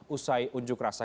usai unjuk rasa